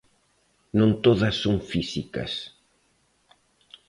Non todas son físicas.